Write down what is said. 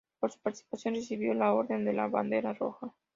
Por su participación recibió la Orden de la Bandera Roja.